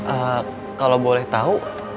eh kalau boleh tahu